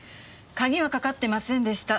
鍵はかかってませんでした。